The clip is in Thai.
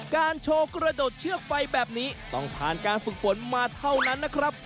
การโชว์กระโดดเชือกไฟแบบนี้ต้องผ่านการฝึกฝนมาเท่านั้นนะครับ